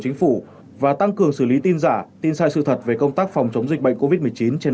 chính phủ và tăng cường xử lý tin giả tin sai sự thật về công tác phòng chống dịch bệnh covid một mươi chín trên